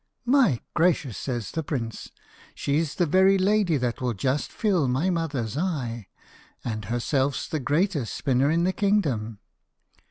"My gracious," says the prince, "she's the very lady that will just fill my mother's eye, and herself's the greatest spinner in the kingdom.